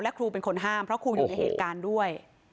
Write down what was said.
ครูเป็นคนห้ามเพราะครูอยู่ในเหตุการณ์ด้วย